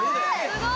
すごい！